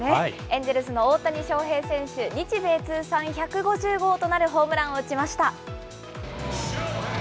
エンジェルスの大谷翔平選手、日米通算１５０号となるホームランを打ちました。